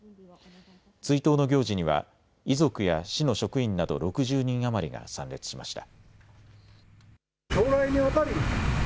追悼の行事には遺族や市の職員など６０人余りが参列しました。